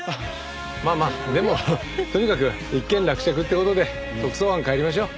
まあまあでもとにかく一件落着って事で特捜班帰りましょう。